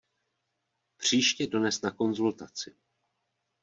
Příště dones na konzultaci.